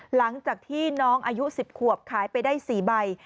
หลังจากที่น้องอายุ๑๐ขวบขายไปได้๔ใบ